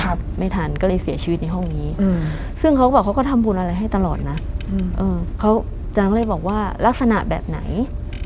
ไม่ทันก็เลยเสียชีวิตในห้องนี้อืมซึ่งเขาก็บอกเขาก็ทำบุญอะไรให้ตลอดนะอืมเออเขาจังก็เลยบอกว่าลักษณะแบบไหน